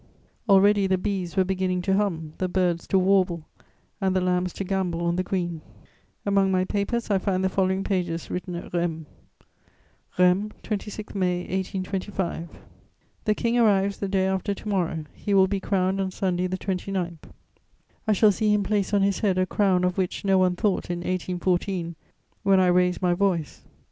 "Already the bees were beginning to hum, the birds to warble, and the lambs to gambol on the green." Among my papers I find the following pages written at Rheims: "RHEIMS, 26 May 1825. "The King arrives the day after to morrow; he will be crowned on Sunday the 29th; I shall see him place on his head a crown of which no one thought, in 1814, when I raised my voice.